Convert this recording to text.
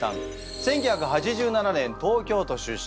１９８７年東京都出身。